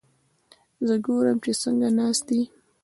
زه ګورم چې څنګه ناست دي؟